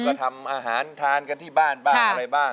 ก็ทำอาหารทานกันที่บ้านบ้างอะไรบ้าง